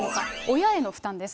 親への負担です。